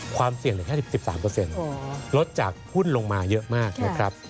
ความเสี่ยงเหลือแค่๑๓ลดจากหุ้นลงมาเยอะมากนะครับ